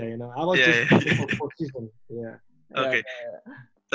saya cuma mau berdikari untuk kelas